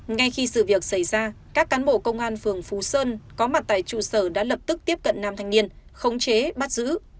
ngay khi sự việc xảy ra các cán bộ công an phường phú sơn có mặt tại trụ sở đã lập tức tiếp cận nam thanh niên khống chế bắt giữ